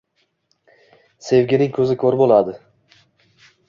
Sevgining ko'zi ko'r bo'ladi!